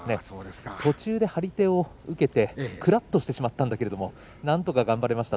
途中で張り手を受けてくらっとしてしまったんだけれどもなんとか頑張れました。